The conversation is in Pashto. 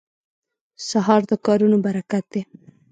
سهار د کارونو برکت دی.